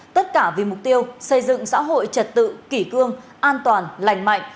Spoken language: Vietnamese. tất cả vì mục tiêu xây dựng xã hội trật tự kỷ cương an toàn lành mạnh